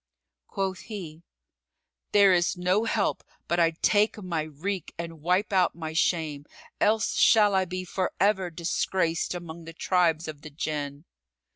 Quoth he, "There is no help but I take my wreak and wipe out my shame, else shall I be for ever disgraced among the tribes of the Jann."